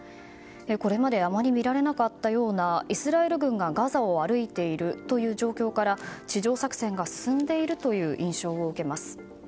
これまであまり見られなかったようなイスラエル軍がガザを歩いているという状況から地上作戦が進んでいるという印象を受けます。